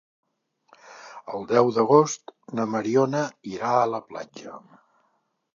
El deu d'agost na Mariona irà a la platja.